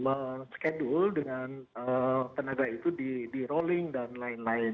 dan nanti kita nanti menghubungkan dengan tenaga itu di rolling dan lain lain